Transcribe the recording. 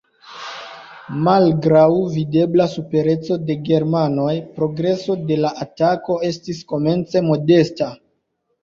Malgraŭ videbla supereco de germanoj progreso de la atako estis komence modesta.